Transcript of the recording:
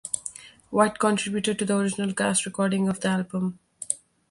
White contributed to the original cast recording of the album.